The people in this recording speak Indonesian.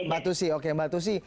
mbak tusi oke mbak tusi